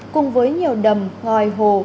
cùng với nhiều đầm ngòi hồ